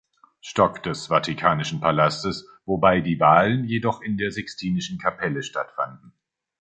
Stock des vatikanischen Palastes, wobei die Wahlen jedoch in der Sixtinischen Kapelle stattfanden.